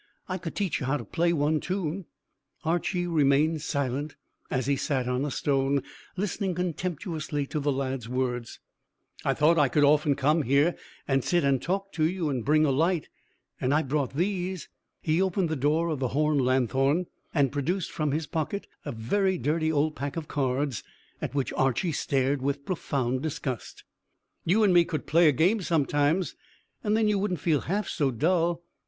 I could teach you how to play one toon." Archy remained silent, as he sat on a stone, listening contemptuously to the lad's words. "I thought I could often come here, and sit and talk to you, and bring a light, and I brought these." He opened the door of the horn lanthorn, and produced from his pocket a very dirty old pack of cards, at which Archy stared with profound disgust. "You and me could play a game sometimes, and then you wouldn't feel half so dull.